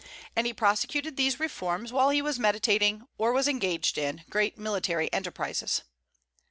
And he prosecuted these reforms while he was meditating, or was engaged in, great military enterprises.